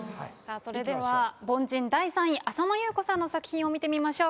それでは凡人第３位浅野ゆう子さんの作品を見てみましょう。